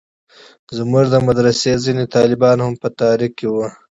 زموږ د مدرسې ځينې طالبان هم په تحريک کښې وو.